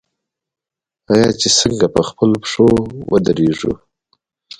آیا چې څنګه په خپلو پښو ودریږو؟